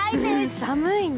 寒いね。